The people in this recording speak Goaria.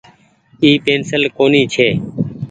اي پينسيل ڪونيٚ ڇي۔